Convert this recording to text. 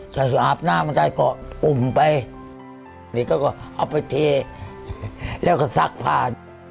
ถ้าหาบหน้ามาได้ก็อุ่มไปหรือก็ก็เอาไปเทแล้วก็ซักผ้า